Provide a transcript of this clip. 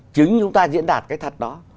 chứng chúng ta diễn đạt cái thật đó